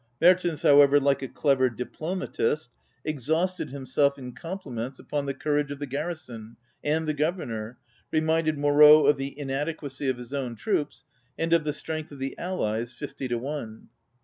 Mertens, however, like a clever diplomatist, exhausted himself in compliments upon the courage of the garrison and the Governor, re minded Moreau of the inadequacy of his own troops and of the strength of the allies, ŌĆö fifty to one.